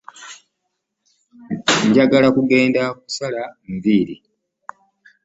Njagala kugenda kunsala nviiri.